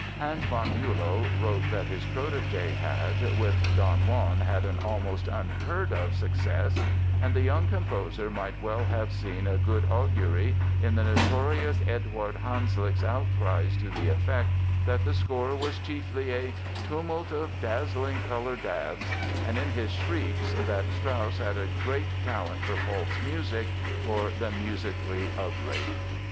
Hans von Bülow wrote that his protégé had, with Don Juan had an "almost unheard of success"; and the young composer might well have seen a good augury in the notorious Eduard Hanslick's outcries to the effect that the score was chiefly a "tumult of dazzling color daubs" and in his shrieks that Strauss "had a great talent for false music, for the musically ugly."